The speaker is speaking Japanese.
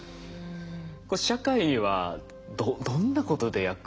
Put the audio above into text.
これ社会にはどんなことで役立ってきそうですか？